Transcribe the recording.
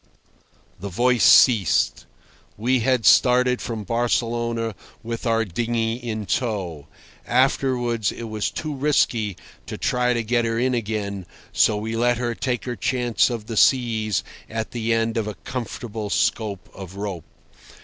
The voice ceased. We had started from Barcelona with our dinghy in tow; afterwards it was too risky to try to get her in, so we let her take her chance of the seas at the end of a comfortable scope of rope.